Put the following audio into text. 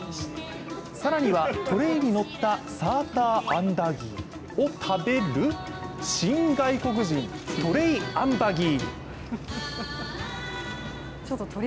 更には、トレイに乗ったサーターアンダギーを食べる新外国人、トレイ・アンバギー。